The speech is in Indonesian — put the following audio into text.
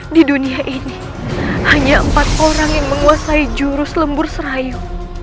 di dunia ini hanya empat orang yang menguasai jurus lembur serayu